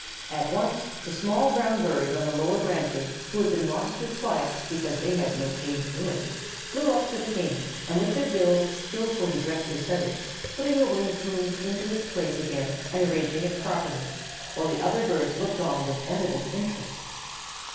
At once the small brown birds on the lower branches, who had been modestly quiet because they had no gay plumage, flew up to the King and with their bills skillfully dressed his feathers, putting the wing plume into its place again and arranging it properly, while the other birds looked on with evident interest.